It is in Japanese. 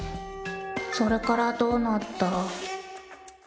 それからどうなった？